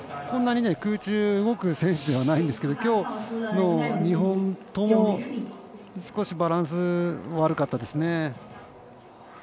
こんなに空中、動く選手ではないんですけどきょうの２本とも少しバランス悪かったですね。